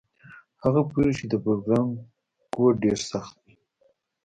هغه پوهیږي چې د پروګرام کوډ ډیر سخت وي